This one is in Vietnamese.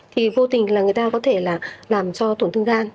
thì vô tình là người ta có thể là làm cho tổn thương gan